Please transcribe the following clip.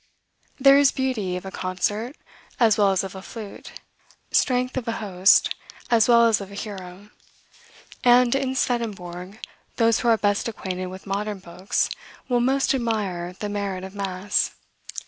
There is beauty of a concert, as well as of a flute; strength of a host, as well as of a hero; and, in Swedenborg, those who are best acquainted with modern books, will most admire the merit of mass.